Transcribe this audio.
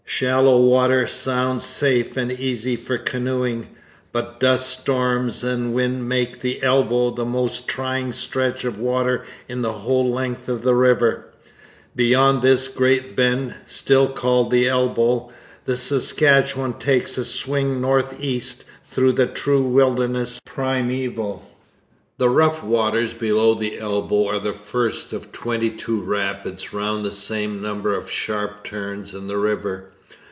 Shallow water sounds safe and easy for canoeing, but duststorms and wind make the Elbow the most trying stretch of water in the whole length of the river. Beyond this great bend, still called the Elbow, the Saskatchewan takes a swing north east through the true wilderness primeval. The rough waters below the Elbow are the first of twenty two rapids round the same number of sharp turns in the river.